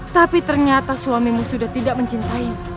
tapi ternyata suamimu sudah tidak mencintaimu